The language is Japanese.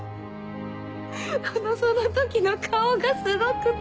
その時の顔がすごくて。